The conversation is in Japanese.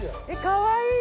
かわいい！